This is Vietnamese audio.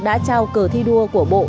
đã trao cờ thi đua của bộ